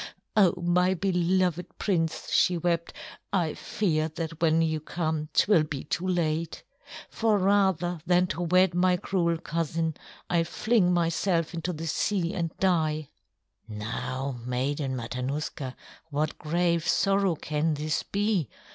"Oh, my beloved prince," she wept, "I fear that when you come 'twill be too late. For rather than to wed my cruel cousin, I'll fling myself into the sea and die!" "Now, Maiden Matanuska, what grave sorrow can this be?"